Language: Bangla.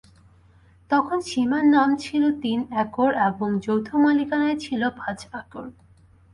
তখন স্বীমার নামে ছিল তিন একর এবং যৌথ মালিকানায় ছিল পাঁচ একর।